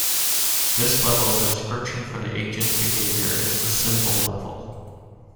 This level of description for the agent's behavior is the symbol level.